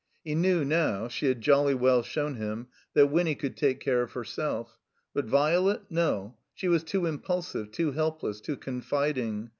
He knew now (she had "jolly well shown him") that Winny could take care of herself; but Violet, no; she was too impulsive, too helpless, too confiding.